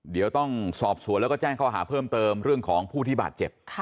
เดี๋ยวต้องสอบสวนแล้วก็แจ้งข้อหาเพิ่มเติมเรื่องของผู้ที่บาดเจ็บ